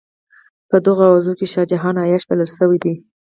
په دغو اوازو کې شاه جهان عیاش بلل شوی دی.